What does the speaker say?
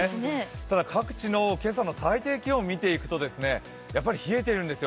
ただ、各地の今朝の最低気温を見ていきますと、冷えているんですよ。